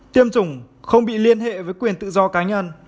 tiêm chủng không bị liên hệ với quyền tự do cá nhân